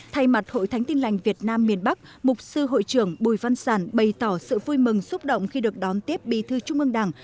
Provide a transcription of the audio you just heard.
thay mặt hội thánh tin lành việt nam miền bắc mục sư hội trưởng bùi văn sản bày tỏ sự vui mừng xúc động khi được đón tiếp bí thư trung ương đảng